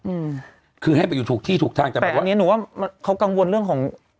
อืมคือให้ไปอยู่ถูกที่ถูกทางแต่แบบว่าเนี้ยหนูว่าเขากังวลเรื่องของ